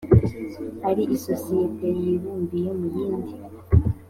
ari isosiyete yibumbiye mu yindi